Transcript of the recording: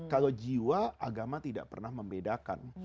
kalau jiwa agama tidak pernah membedakan